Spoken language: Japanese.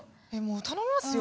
頼みますよ。